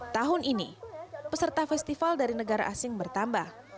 tahun ini peserta festival dari negara asing bertambah